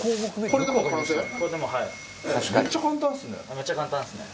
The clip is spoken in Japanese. めっちゃ簡単ですね。